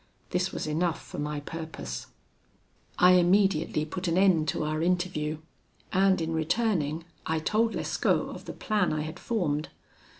This was enough for my purpose. "I immediately put an end to our interview, and, in returning, I told Lescaut of the plan I had formed.